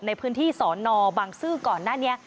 ในพื้นที่สอนอบังซื้อก่อนหน้านี้